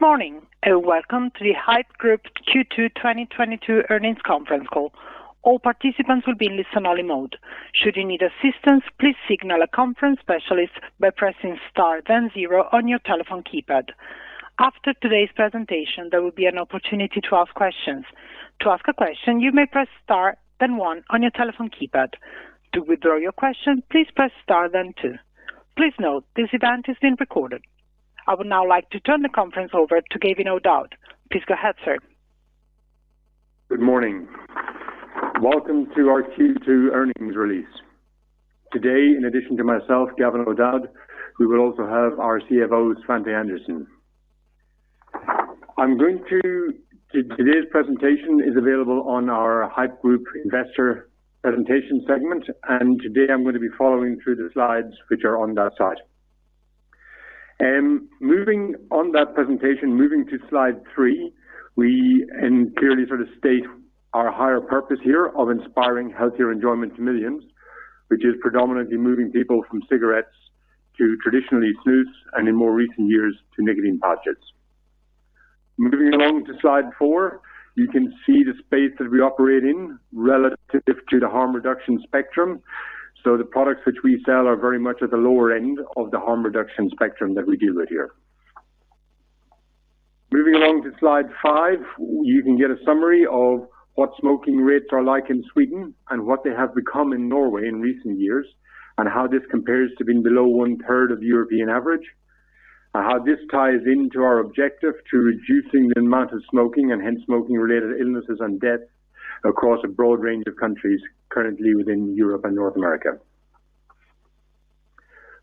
Good morning, and welcome to the Haypp Group Q2 2022 Earnings Conference Call. All participants will be in listen-only mode. Should you need assistance, please signal a conference specialist by pressing star then zero on your telephone keypad. After today's presentation, there will be an opportunity to ask questions. To ask a question, you may press star then one on your telephone keypad. To withdraw your question, please press star then two. Please note, this event is being recorded. I would now like to turn the conference over to Gavin O'Dowd. Please go ahead, sir. Good morning. Welcome to our Q2 earnings release. Today, in addition to myself, Gavin O'Dowd, we will also have our CFO, Svante Andersson. Today's presentation is available on our Haypp Group investor presentation segment, and today I'm going to be following through the slides which are on that site. Moving to Slide 3, we can clearly state our higher purpose here of inspiring healthier enjoyment to millions, which is predominantly moving people from cigarettes to traditional Snus, and in more recent years, to nicotine pouches. Moving along to Slide 4, you can see the space that we operate in relative to the harm reduction spectrum. The products which we sell are very much at the lower end of the harm reduction spectrum that we deal with here. Moving along to Slide 5, you can get a summary of what smoking rates are like in Sweden and what they have become in Norway in recent years, and how this compares to being below one-third of European average. How this ties into our objective to reducing the amount of smoking and hence smoking-related illnesses and deaths across a broad range of countries currently within Europe and North America.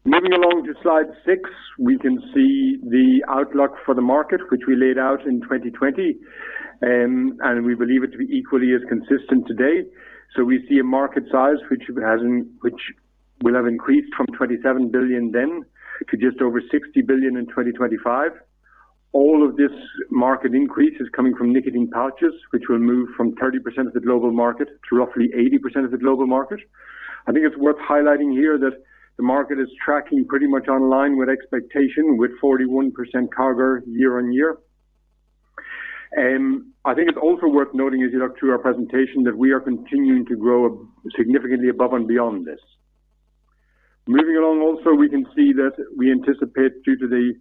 Moving along to Slide 6, we can see the outlook for the market, which we laid out in 2020, and we believe it to be equally as consistent today. We see a market size which will have increased from 27 billion then to just over 60 billion in 2025. All of this market increase is coming from nicotine pouches, which will move from 30% of the global market to roughly 80% of the global market. I think it's worth highlighting here that the market is tracking pretty much in line with expectation with 41% growth year-over-year. I think it's also worth noting as you look through our presentation that we are continuing to grow significantly above and beyond this. Moving along also, we can see that we anticipate due to the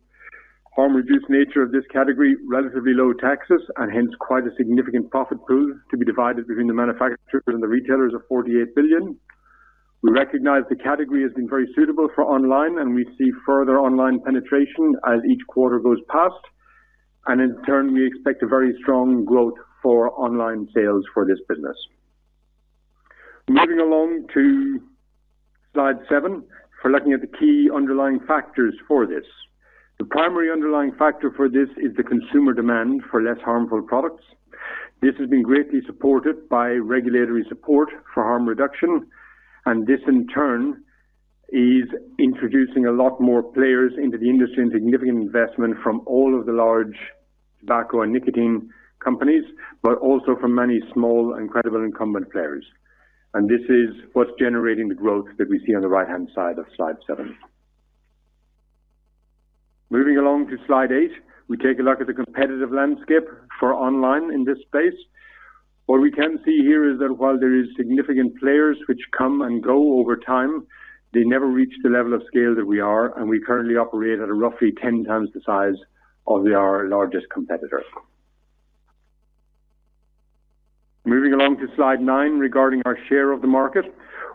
harm reduction nature of this category, relatively low taxes and hence quite a significant profit pool to be divided between the manufacturers and the retailers of 48 billion. We recognize the category has been very suitable for online, and we see further online penetration as each quarter goes past. In turn, we expect a very strong growth for online sales for this business. Moving along to Slide 7, we're looking at the key underlying factors for this. The primary underlying factor for this is the consumer demand for less harmful products. This has been greatly supported by regulatory support for harm reduction, and this in turn, is introducing a lot more players into the industry and significant investment from all of the large tobacco and nicotine companies, but also from many small and credible incumbent players. This is what's generating the growth that we see on the right-hand side of Slide 7. Moving along to Slide 8, we take a look at the competitive landscape for online in this space. What we can see here is that while there are significant players which come and go over time, they never reach the level of scale that we are, and we currently operate at roughly 10 times the size of our largest competitor. Moving along to Slide 9, regarding our share of the market.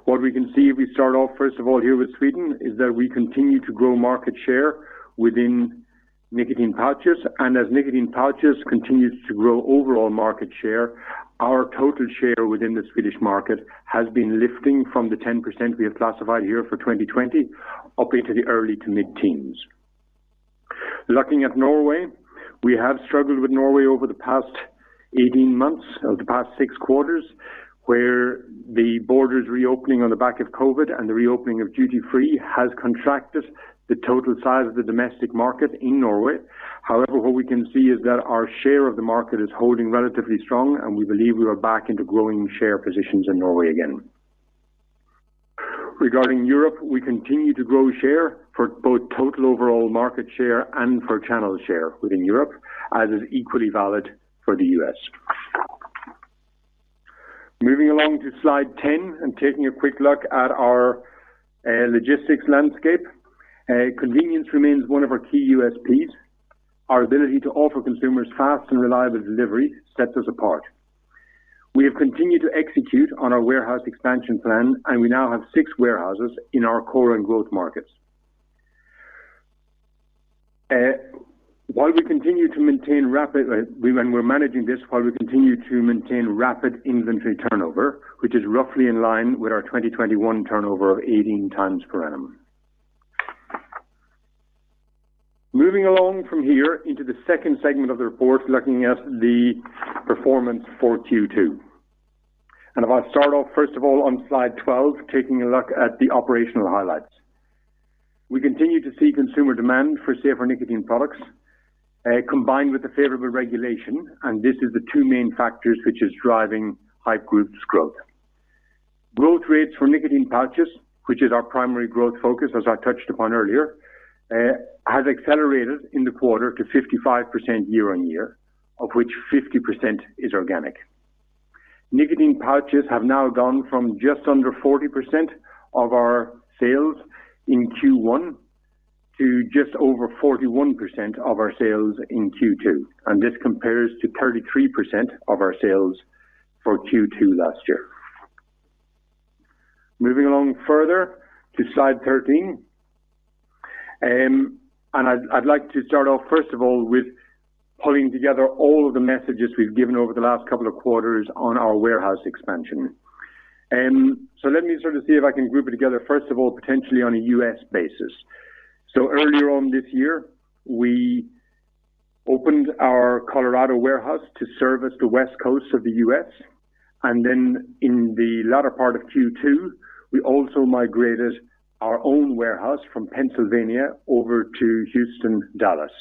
What we can see, we start off, first of all, here with Sweden, is that we continue to grow market share within nicotine pouches. As nicotine pouches continues to grow overall market share, our total share within the Swedish market has been lifting from the 10% we have classified here for 2020 up into the early to mid-teens. Looking at Norway, we have struggled with Norway over the past 18 months of the past six quarters, where the borders reopening on the back of COVID and the reopening of duty-free has contracted the total size of the domestic market in Norway. However, what we can see is that our share of the market is holding relatively strong, and we believe we are back into growing share positions in Norway again. Regarding Europe, we continue to grow share for both total overall market share and for channel share within Europe, as is equally valid for the U.S. Moving along Slide 10 and taking a quick look at our logistics landscape. Convenience remains one of our key USPs. Our ability to offer consumers fast and reliable delivery sets us apart. We have continued to execute on our warehouse expansion plan, and we now have six warehouses in our core and growth markets. While we continue to maintain rapid inventory turnover, which is roughly in line with our 2021 turnover of 18 times per annum. Moving along from here into the second segment of the report, looking at the performance for Q2. If I start off, first of all, on Slide 12, taking a look at the operational highlights. We continue to see consumer demand for safer nicotine products, combined with the favorable regulation, and this is the two main factors which is driving Haypp Group's growth. Growth rates for nicotine pouches, which is our primary growth focus, as I touched upon earlier, has accelerated in the quarter to 55% year-on-year, of which 50% is organic. Nicotine pouches have now gone from just under 40% of our sales in Q1 to just over 41% of our sales in Q2, and this compares to 33% of our sales for Q2 last year. Moving along further to Slide 13, I'd like to start off first of all with pulling together all of the messages we've given over the last couple of quarters on our warehouse expansion. Let me see if I can group it together first of all, potentially on a U.S. basis. Earlier on this year, we opened our Colorado warehouse to service the West Coast of the U.S., and then in the latter part of Q2, we also migrated our own warehouse from Pennsylvania over to Houston, Dallas.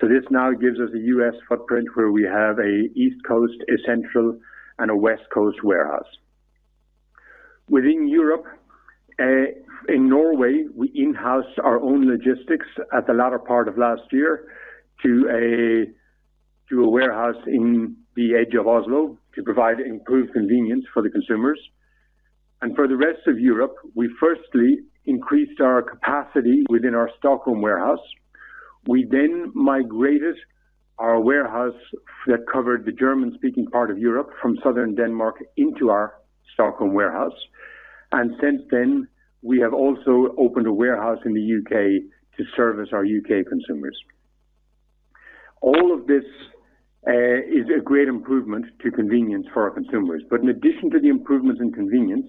This now gives us a U.S. footprint where we have an East Coast, a Central, and a West Coast warehouse. Within Europe, in Norway, we in-housed our own logistics at the latter part of last year to a warehouse on the edge of Oslo to provide improved convenience for the consumers. For the rest of Europe, we firstly increased our capacity within our Stockholm warehouse. We then migrated our warehouse that covered the German-speaking part of Europe from Southern Denmark into our Stockholm warehouse. Since then, we have also opened a warehouse in the U.K. to service our U.K. consumers. All of this is a great improvement to convenience for our consumers. In addition to the improvements in convenience,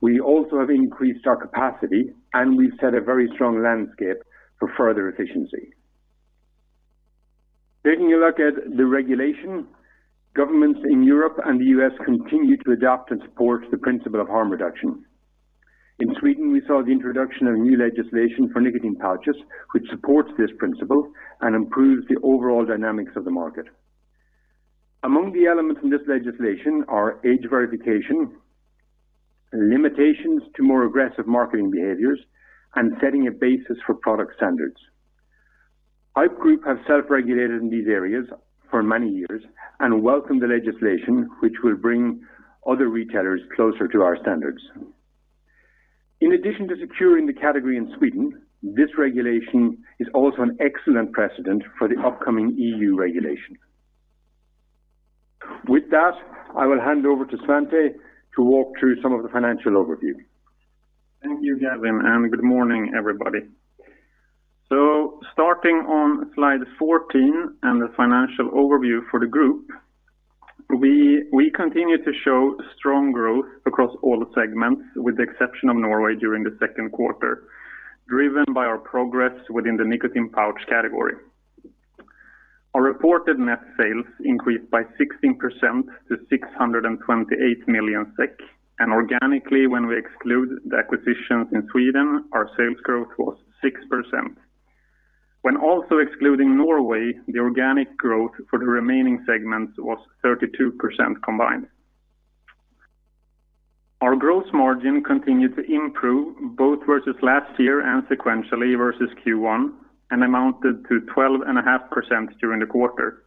we also have increased our capacity, and we've set a very strong landscape for further efficiency. Taking a look at the regulation, governments in Europe and the U.S. continue to adapt and support the principle of harm reduction. In Sweden, we saw the introduction of new legislation for nicotine pouches, which supports this principle and improves the overall dynamics of the market. Among the elements in this legislation are age verification, limitations to more aggressive marketing behaviors, and setting a basis for product standards. Haypp Group have self-regulated in these areas for many years and welcome the legislation which will bring other retailers closer to our standards. In addition to securing the category in Sweden, this regulation is also an excellent precedent for the upcoming EU regulation. With that, I will hand over to Svante to walk through some of the financial overview. Thank you, Gavin, and good morning, everybody. Starting on Slide 14 and the financial overview for the group, we continue to show strong growth across all segments, with the exception of Norway during Q2, driven by our progress within the nicotine pouch category. Our reported net sales increased by 16% to 628 million SEK, and organically, when we exclude the acquisitions in Sweden, our sales growth was 6%. When also excluding Norway, the organic growth for the remaining segments was 32% combined. Our gross margin continued to improve both versus last year and sequentially versus Q1 and amounted to 12.5% during the quarter.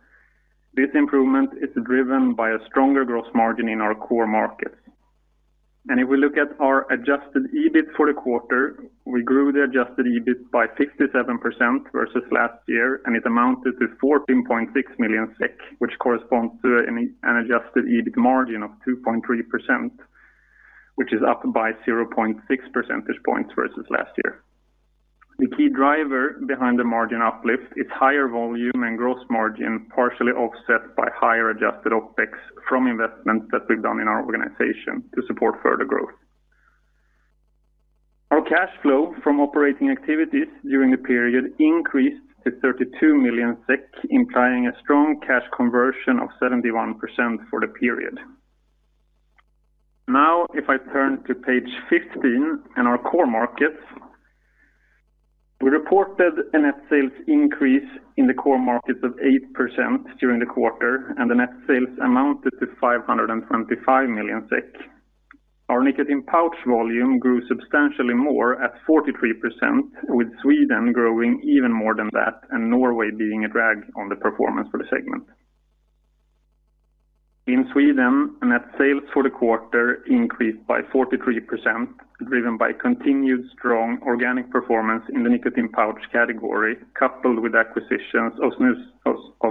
This improvement is driven by a stronger gross margin in our core markets. If we look at our adjusted EBIT for the quarter, we grew the adjusted EBIT by 57% versus last year, and it amounted to 14.6 million SEK, which corresponds to an adjusted EBIT margin of 2.3%, which is up by 0.6 percentage points versus last year. The key driver behind the margin uplift is higher volume and gross margin, partially offset by higher adjusted OpEx from investments that we've done in our organization to support further growth. Our cash flow from operating activities during the period increased to 32 million SEK, implying a strong cash conversion of 71% for the period. Now, if I turn to page 15 in our core markets, we reported a net sales increase in the core markets of 8% during the quarter, and the net sales amounted to 525 million SEK. Our nicotine pouch volume grew substantially more at 43%, with Sweden growing even more than that and Norway being a drag on the performance for the segment. In Sweden, net sales for the quarter increased by 43%, driven by continued strong organic performance in the nicotine pouch category, coupled with acquisitions of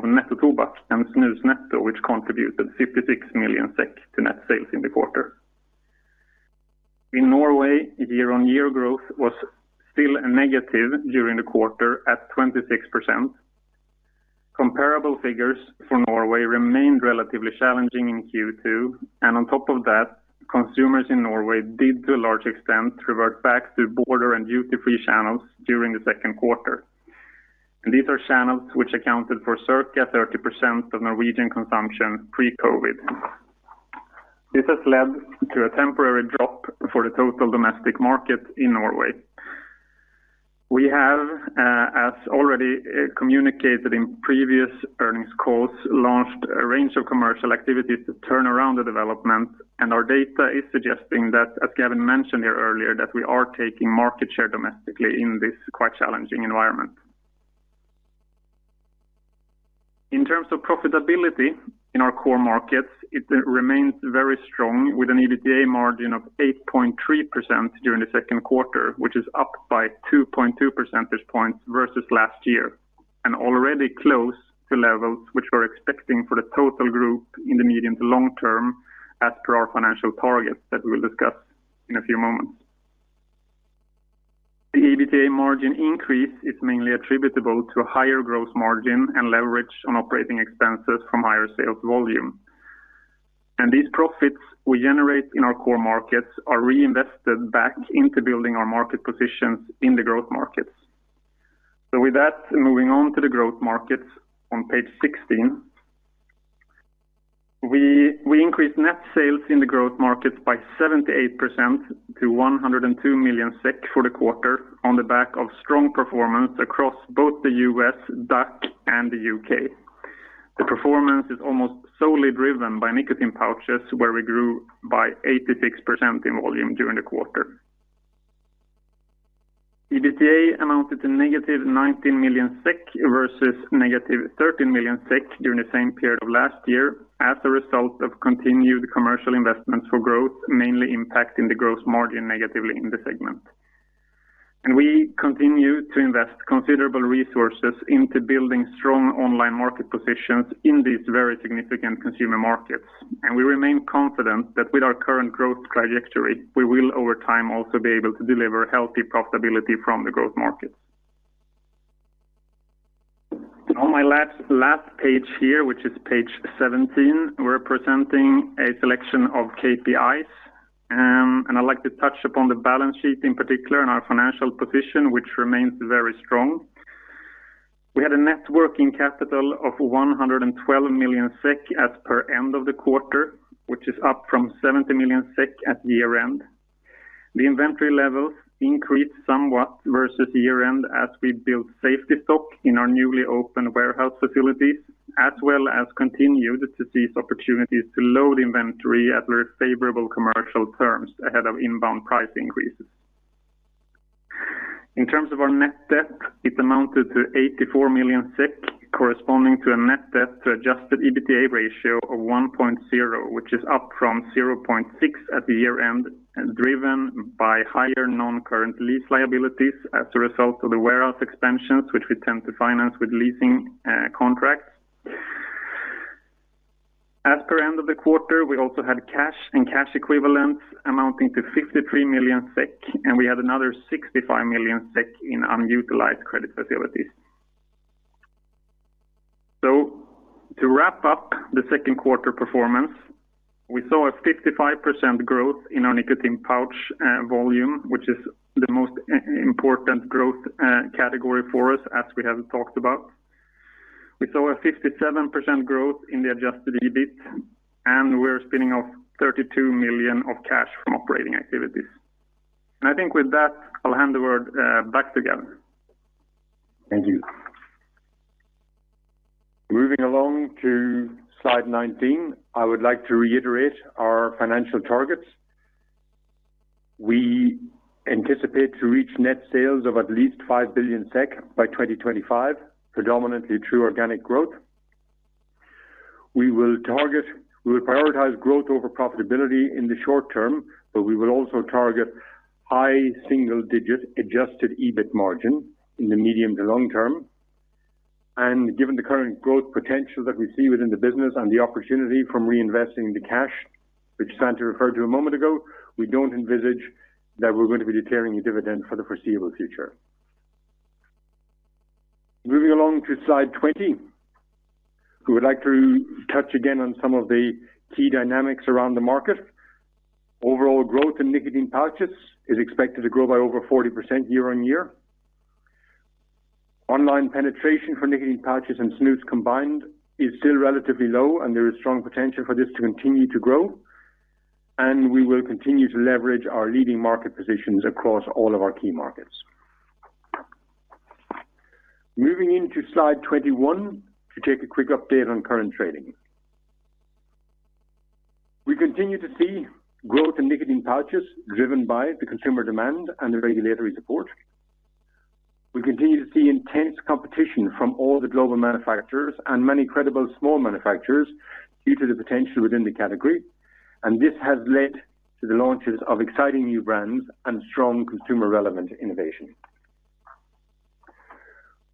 Nettotobak and Snusnetto, which contributed 56 million SEK to net sales in the quarter. In Norway, year-on-year growth was still negative during the quarter at 26%. Comparable figures for Norway remained relatively challenging in Q2, and on top of that, consumers in Norway did, to a large extent, revert back to border and duty-free channels during Q2. These are channels which accounted for circa 30% of Norwegian consumption pre-COVID. This has led to a temporary drop for the total domestic market in Norway. We have, as already communicated in previous earnings calls, launched a range of commercial activities to turn around the development, and our data is suggesting that, as Gavin mentioned here earlier, that we are taking market share domestically in this quite challenging environment. In terms of profitability in our core markets, it remains very strong with an EBITDA margin of 8.3% during Q2, which is up by 2.2 percentage points versus last year, and already close to levels which we're expecting for the total group in the medium to long-term as per our financial targets that we'll discuss in a few moments. The EBITDA margin increase is mainly attributable to a higher gross margin and leverage on operating expenses from higher sales volume. These profits we generate in our core markets are reinvested back into building our market positions in the growth markets. With that, moving on to the growth markets on page 16. We increased net sales in the growth markets by 78% to 102 million SEK for the quarter on the back of strong performance across both the U.S., DACH, and the U.K. The performance is almost solely driven by nicotine pouches, where we grew by 86% in volume during the quarter. EBITDA amounted to -19 million SEK versus -13 million SEK during the same period of last year as a result of continued commercial investments for growth, mainly impacting the gross margin negatively in the segment. We continue to invest considerable resources into building strong online market positions in these very significant consumer markets. We remain confident that with our current growth trajectory, we will over time also be able to deliver healthy profitability from the growth markets. On my last page here, which is page 17, we're presenting a selection of KPIs, and I'd like to touch upon the balance sheet in particular and our financial position, which remains very strong. We had a net working capital of 112 million SEK as per end of the quarter, which is up from 70 million SEK at year-end. The inventory levels increased somewhat versus year-end as we built safety stock in our newly opened warehouse facilities, as well as continued to seize opportunities to load inventory at very favorable commercial terms ahead of inbound price increases. In terms of our net debt, it amounted to 84 million SEK, corresponding to a net debt to adjusted EBITDA ratio of 1.0, which is up from 0.6 at the year-end, driven by higher non-current lease liabilities as a result of the warehouse expansions, which we tend to finance with leasing contracts. As per end of the quarter, we also had cash and cash equivalents amounting to 53 million SEK, and we had another 65 million SEK in unutilized credit facilities. To wrap up Q2 performance, we saw a 55% growth in our nicotine pouch volume, which is the most important growth category for us, as we have talked about. We saw a 57% growth in the adjusted EBIT, and we're spinning off 32 million of cash from operating activities. I think with that, I'll hand the word back to Gavin. Thank you. Moving along to Slide 19, I would like to reiterate our financial targets. We anticipate to reach net sales of at least 5 billion SEK by 2025, predominantly through organic growth. We will prioritize growth over profitability in the short term, but we will also target high single-digit adjusted EBIT margin in the medium to long-term. Given the current growth potential that we see within the business and the opportunity from reinvesting the cash, which Svante referred to a moment ago, we don't envisage that we're going to be declaring a dividend for the foreseeable future. Moving along to Slide 20, we would like to touch again on some of the key dynamics around the market. Overall growth in nicotine pouches is expected to grow by over 40% year-on-year. Online penetration for nicotine pouches and Snus combined is still relatively low, and there is strong potential for this to continue to grow, and we will continue to leverage our leading market positions across all of our key markets. Moving into Slide 21 to take a quick update on current trading. We continue to see growth in nicotine pouches driven by the consumer demand and the regulatory support. We continue to see intense competition from all the global manufacturers and many credible small manufacturers due to the potential within the category, and this has led to the launches of exciting new brands and strong consumer-relevant innovation.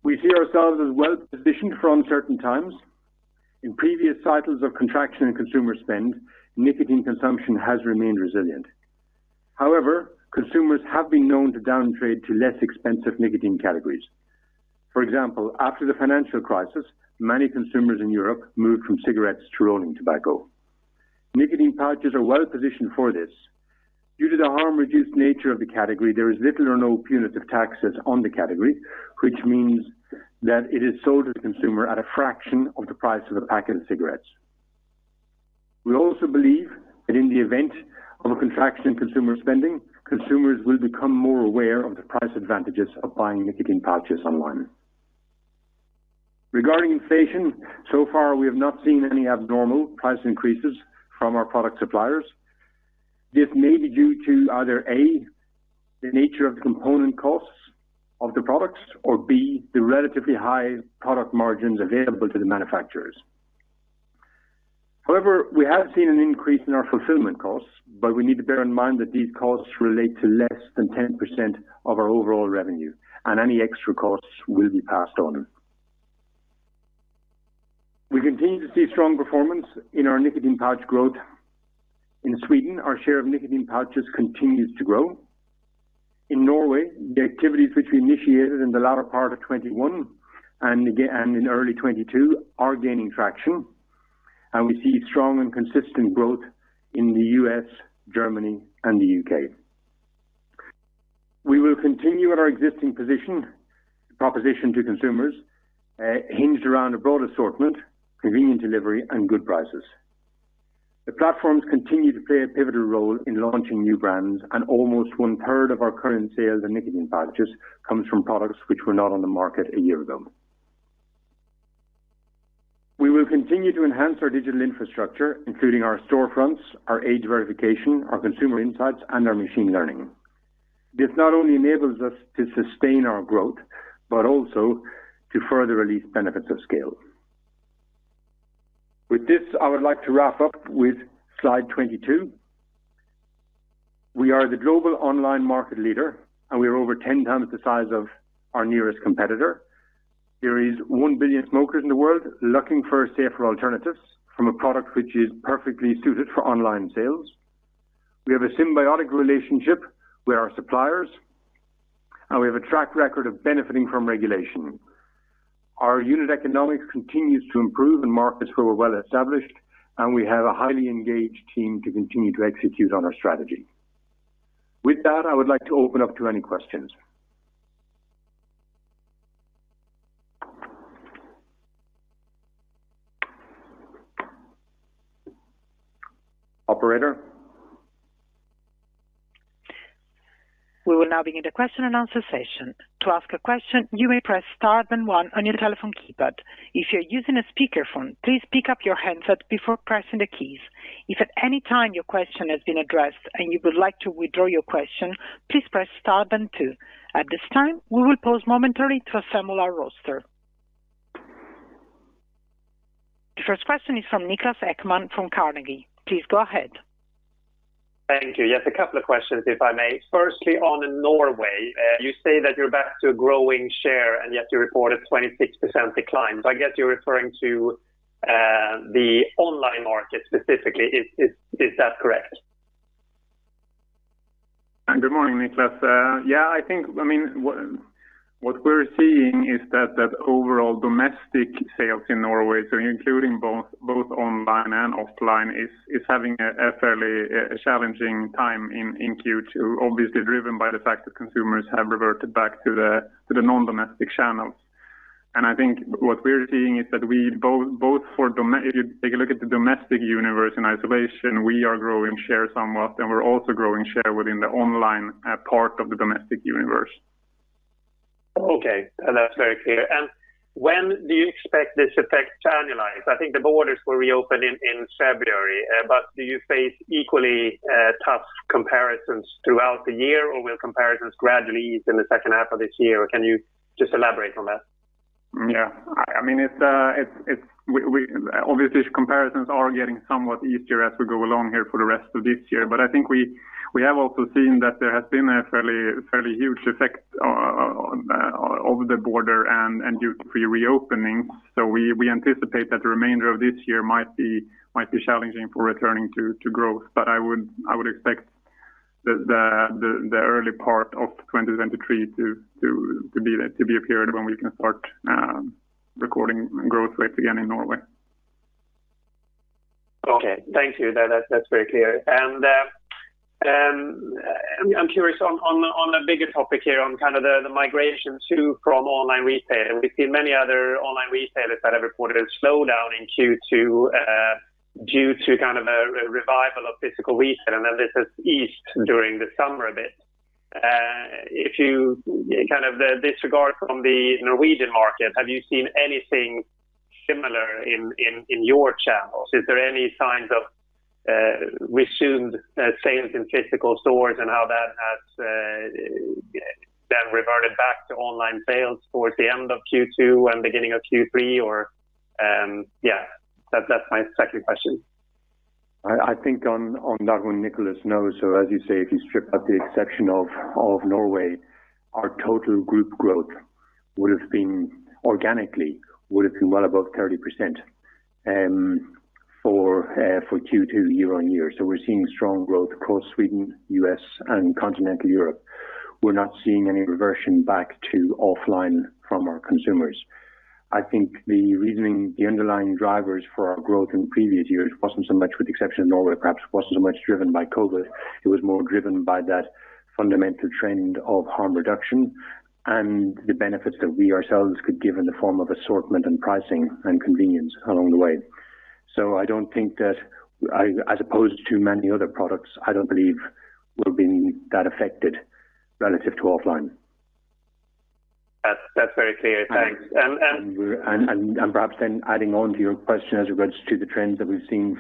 We see ourselves as well-positioned for uncertain times. In previous cycles of contraction in consumer spend, nicotine consumption has remained resilient. However, consumers have been known to downtrade to less expensive nicotine categories. For example, after the financial crisis, many consumers in Europe moved from cigarettes to rolling tobacco. Nicotine pouches are well-positioned for this. Due to the harm-reduced nature of the category, there is little or no punitive taxes on the category, which means that it is sold to the consumer at a fraction of the price of a pack of cigarettes. We also believe that in the event of a contraction in consumer spending, consumers will become more aware of the price advantages of buying nicotine pouches online. Regarding inflation, so far, we have not seen any abnormal price increases from our product suppliers. This may be due to either, A, the nature of the component costs of the products or, B, the relatively high product margins available to the manufacturers. However, we have seen an increase in our fulfillment costs, but we need to bear in mind that these costs relate to less than 10% of our overall revenue, and any extra costs will be passed on. We continue to see strong performance in our nicotine pouches growth. In Sweden, our share of nicotine pouches continues to grow. In Norway, the activities which we initiated in the latter part of 2021 and in early 2022 are gaining traction, and we see strong and consistent growth in the U.S., Germany, and the U.K. We will continue at our existing position, proposition to consumers, hinged around a broad assortment, convenient delivery, and good prices. The platforms continue to play a pivotal role in launching new brands, and almost 1/3 of our current sales in nicotine pouches comes from products which were not on the market a year ago. We will continue to enhance our digital infrastructure, including our storefronts, our age verification, our consumer insights, and our machine learning. This not only enables us to sustain our growth, but also to further release benefits of scale. With this, I would like to wrap up with Slide 22. We are the global online market leader, and we are over 10 times the size of our nearest competitor. There is one billion smokers in the world looking for safer alternatives from a product which is perfectly suited for online sales. We have a symbiotic relationship with our suppliers, and we have a track record of benefiting from regulation. Our unit economics continues to improve in markets where we're well established, and we have a highly engaged team to continue to execute on our strategy. With that, I would like to open up to any questions. Operator. We will now begin the question-and-answer session. To ask a question, you may press star then one on your telephone keypad. If you're using a speakerphone, please pick up your handset before pressing the keys. If at any time your question has been addressed and you would like to withdraw your question, please press star then two. At this time, we will pause momentarily to assemble our roster. The first question is from Niklas Ekman from Carnegie. Please go ahead. Thank you. A couple of questions, if I may. Firstly, on Norway, you say that you're back to a growing share, and yet you reported 26% decline. I guess you're referring to the online market specifically. Is that correct? Good morning, Niklas. Yes. I think what we're seeing is that overall domestic sales in Norway, including both online and offline, is having a fairly challenging time in Q2, obviously driven by the fact that consumers have reverted back to the non-domestic channels. I think what we're seeing is that, if you take a look at the domestic universe in isolation, we are growing share somewhat, and we're also growing share within the online part of the domestic universe. Okay. That's very clear. When do you expect this effect to annualize? I think the borders were reopened in February, but do you face equally tough comparisons throughout the year, or will comparisons gradually ease in the second half of this year? Can you just elaborate on that? I mean, it's obvious comparisons are getting somewhat easier as we go along here for the rest of this year. I think we have also seen that there has been a fairly huge effect on, over the border and due to pre-reopening. We anticipate that the remainder of this year might be challenging for returning to growth. I would expect the early part of 2023 to be a period when we can start recording growth rates again in Norway. Okay. Thank you. That's very clear. I'm curious on a bigger topic here on the migration to from online retail. We've seen many other online retailers that have reported a slowdown in Q2 due to a revival of physical retail, and then this has eased during the summer a bit. If you disregard from the Norwegian market, have you seen anything similar in your channels? Is there any signs of resumed sales in physical stores and how that has then reverted back to online sales towards the end of Q2 and beginning of Q3 or? That's my second question. I think on that one, Niklas, no. As you say, if you strip out the exception of Norway, our total group growth would have been organically well above 30% for Q2 year-on-year. We're seeing strong growth across Sweden, U.S., and Continental Europe. We're not seeing any reversion back to offline from our consumers. I think the underlying drivers for our growth in previous years wasn't so much, with the exception of Norway, perhaps, driven by COVID. It was more driven by that fundamental trend of harm reduction and the benefits that we ourselves could give in the form of assortment and pricing and convenience along the way. I don't think that as opposed to many other products, I don't believe we've been that affected relative to offline. That's very clear. Thanks. Perhaps then adding on to your question as it relates to the trends that we've seen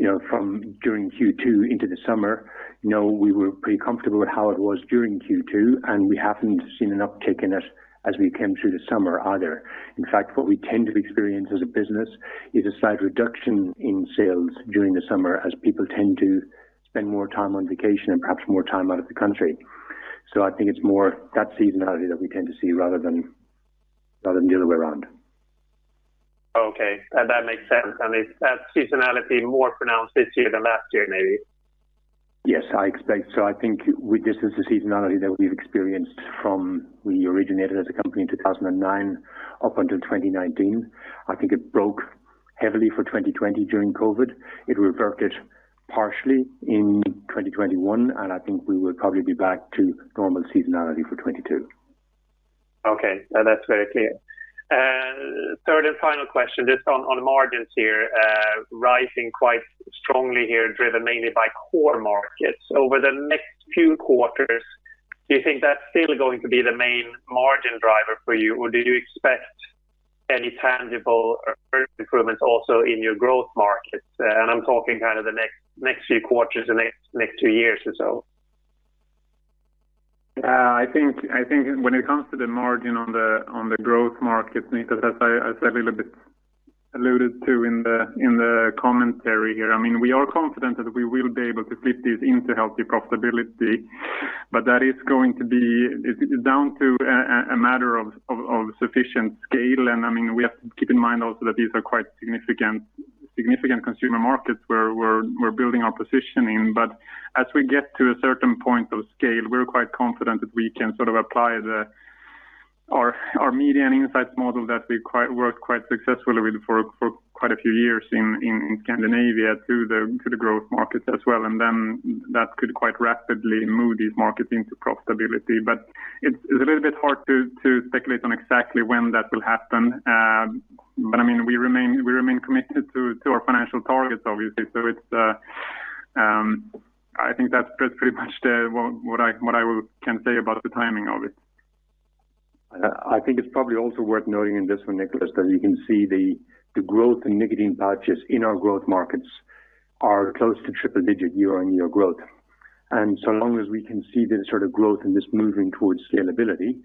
during Q2 into the summer. We were pretty comfortable with how it was during Q2, and we haven't seen an uptick in it as we came through the summer either. In fact, what we tend to experience as a business is a slight reduction in sales during the summer as people tend to spend more time on vacation and perhaps more time out of the country. I think it's more that seasonality that we tend to see rather than the other way around. Okay. That makes sense. Is that seasonality more pronounced this year than last year, maybe? Yes, I expect so. I think this is the seasonality that we've experienced from when we originated as a company in 2009, up until 2019. I think it broke heavily for 2020 during COVID. It reverted partially in 2021, and I think we will probably be back to normal seasonality for 2022. Okay. That's very clear. Third and final question, just on margins here, rising quite strongly here, driven mainly by core markets. Over the next few quarters, do you think that's still going to be the main margin driver for you or do you expect any tangible improvements also in your growth markets? I'm talking about the next few quarters, the next two years or so. Yes. I think when it comes to the margin on the growth markets, Niklas, as I little bit alluded to in the commentary here. We are confident that we will be able to flip this into healthy profitability, but that is going to be down to a matter of sufficient scale. We have to keep in mind also that these are quite significant consumer markets where we're building our positioning, but as we get to a certain point of scale, we're quite confident that we can apply our Media & Insights business that we worked quite successfully with for quite a few years in Scandinavia to the growth markets as well. Then that could quite rapidly move these markets into profitability. It's a little bit hard to speculate on exactly when that will happen. We remain committed to our financial targets, obviously. I think that's pretty much what I can say about the timing of it. I think it's probably also worth noting in this one, Niklas, that you can see the growth in nicotine pouches in our growth markets are close to triple-digit year-on-year growth. Long as we can see this growth and this moving towards scalability,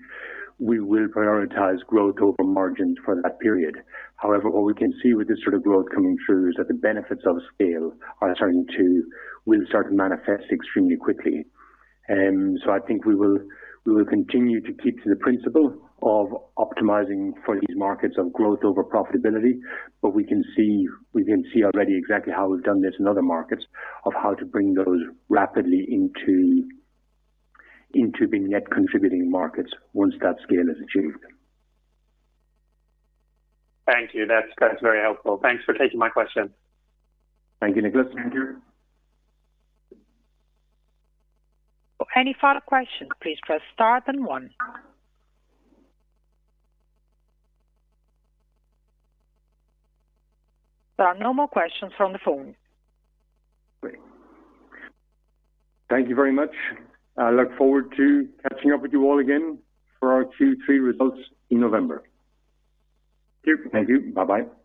we will prioritize growth over margins for that period. However, what we can see with this growth coming through is that the benefits of scale will start to manifest extremely quickly. I think we will continue to keep to the principle of optimizing for these markets of growth over profitability. We can see already exactly how we've done this in other markets of how to bring those rapidly into being net contributing markets once that scale is achieved. Thank you. That's very helpful. Thanks for taking my question. Thank you, Niklas. Thank you. Any further questions, please press star then one. There are no more questions from the phone. Great. Thank you very much. I look forward to catching up with you all again for our Q3 results in November. Thank you. Thank you. Bye-bye.